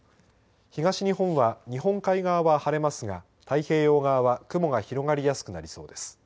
東日本は、日本海側は晴れますが太平洋側は雲が広がりやすくなりそうです。